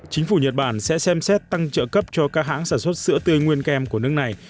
chính phủ nhật bản sẽ xem xét tăng trợ cấp cho các hãng sản xuất sữa tươi nguyên kem của nước này